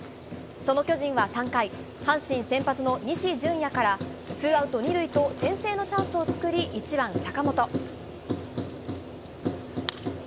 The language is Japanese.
その巨人は３回、阪神先発の西純矢から、ツーアウト２塁と先制のチャンスを作り、１番坂本。